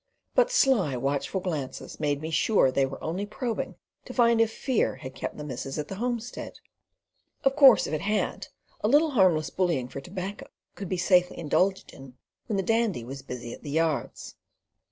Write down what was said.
But sly, watchful glances made me sure they were only probing to find if fear had kept the missus at the homestead. Of course, if it had, a little harmless bullying for tobacco could be safely indulged in when the Dandy was busy at the yards.